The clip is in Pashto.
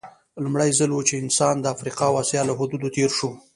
لومړی ځل و چې انسان د افریقا او اسیا له حدودو تېر شو.